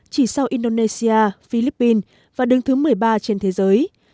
chỉ sau indonesia philippines và đứng thứ một mươi ba trên thế giới